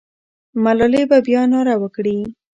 ملالۍ به بیا ناره وکړي.